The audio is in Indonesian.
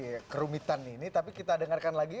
iya kerumitan ini tapi kita dengarkan lagi